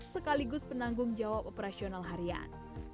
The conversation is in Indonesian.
sekaligus penanggung jawab operasional harian